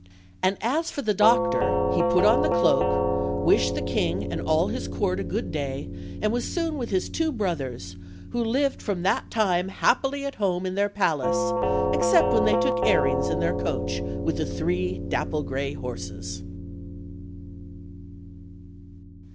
And as for the doctor, he put on the cloak, wished the king and all his court a good day, and was soon with his two brothers, who lived from that time happily at home in their palace, except when they took airings in their coach I with the three dapple gray horses.